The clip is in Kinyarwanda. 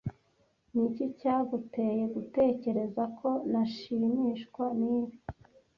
Niki cyaguteye gutekereza ko nashimishwa nibi?